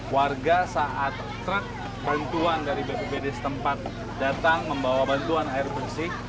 warga saat truk bantuan dari bpbd setempat datang membawa bantuan air bersih